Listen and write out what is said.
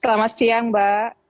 selamat siang mbak